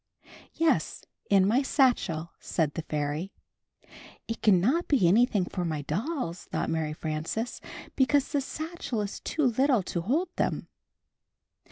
"Yes, in my satchel," said the fairy. "It cannot be an^i^liing for my dolls," thought Mary Frances, "because^the satchel is too httle to hold them."